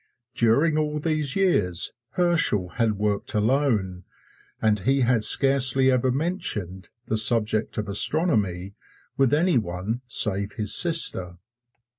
During all these years Herschel had worked alone, and he had scarcely ever mentioned the subject of astronomy with any one save his sister.